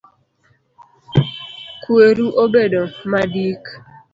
Kweru obedo madik